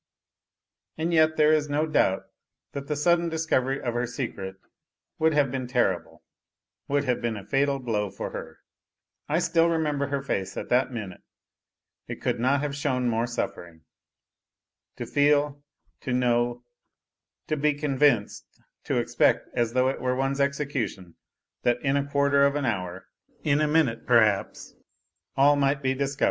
And yet there is no doubt thai the sudden discovery of her secret would have been terrible would have been a fatal blow for her. I still remember her face at that minute, it could not have shown more suffering. To feel, to know, to l)e convinced, to expect, as though it were one's execution, that in a quarter of an hour, in a minute perhaps, all might be di i ov.